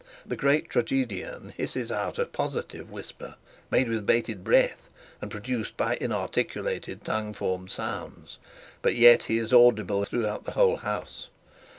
The great tragedian hisses out a positive whisper, made with bated breath, and produced by inarticulate tongue formed sounds, but yet he is audible through the whole house.